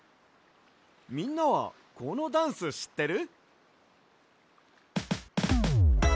みんなはこのダンスしってる？